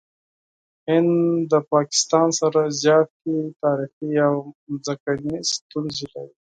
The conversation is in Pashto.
هند له پاکستان سره زیاتې تاریخي او ځمکني ستونزې لري.